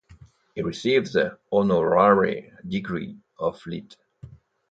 He received the honorary degree of Litt.